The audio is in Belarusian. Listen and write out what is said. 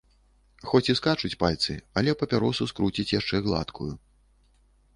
Хоць і скачуць пальцы, але папяросу скруціць яшчэ гладкую.